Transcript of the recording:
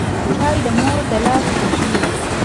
چای د مور له لاسه خوږ وي